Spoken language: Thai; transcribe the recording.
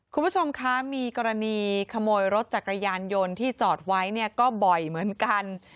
คุณผู้ชมคะมีกรณีขโมยรถจักรยานยนต์ที่จอดไว้เนี่ยก็บ่อยเหมือนกัน